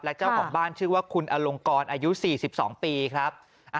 และเจ้าของบ้านชื่อว่าคุณอลงกรอายุ๔๒ปีครับ